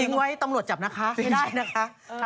ไว้ตำรวจจับนะคะไม่ได้นะคะ